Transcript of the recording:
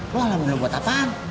lu alhamdulillah buat apa